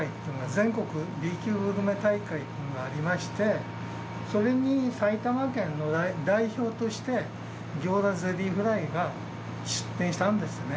全国Ｂ級グルメ大会っていうのがありましてそれに埼玉県の代表として行田ゼリーフライが出展したんですね。